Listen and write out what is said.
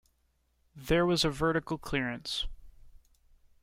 There was a vertical clearance.